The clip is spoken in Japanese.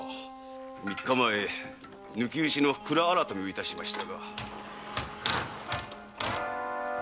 三日前抜き打ちの蔵改めをいたしましたが。